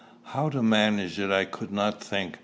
How to manage it I could not think.